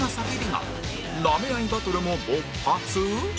ナメ合いバトルも勃発？